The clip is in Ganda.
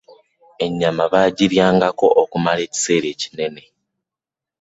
ennyama baagilyangako okumala akaseera akannene.